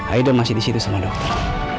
aida masih di situ sama dokter